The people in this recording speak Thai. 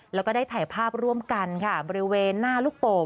แล้วก็ได้ถ่ายภาพร่วมกันค่ะบริเวณหน้าลูกโป่ง